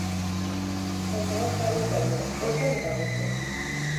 Ondoan jarri zaio, otzan eta gozo.